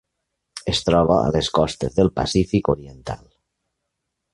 Es troba a les costes del Pacífic oriental: